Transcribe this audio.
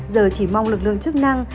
giờ chỉ mong lực lượng chức năng